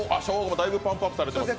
だいぶパンプアップされてます。